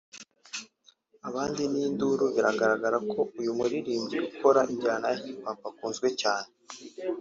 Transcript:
abandi n’induru biragaragara ko uyu muririmbyi ukora injyana ya Hip Hop akunzwe cyane